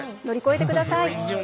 乗り越えてください。